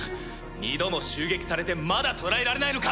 二度も襲撃されてまだ捕らえられないのか！